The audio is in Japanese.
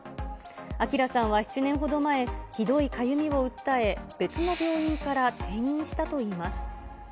あきらさんは７年ほど前、ひどいかゆみを訴え、別の病院から転院したといいます。